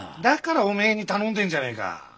だからお前に頼んでんじゃねえか。